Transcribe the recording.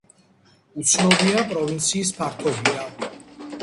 უცნობია პროვინციის ფართობია.